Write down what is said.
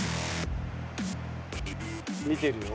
「見てるよ。